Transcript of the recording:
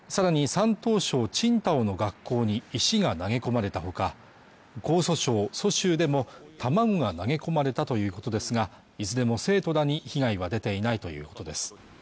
山東省青島の学校に石が投げ込まれたほか江蘇省蘇州でも卵が投げ込まれたということですがいずれも生徒らに被害は出ていないということです